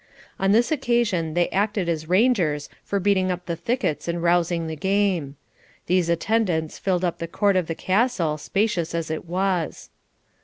On this occasion they acted as rangers for beating up the thickets and rousing the game. These attendants filled up the court of the castle, spacious as it was.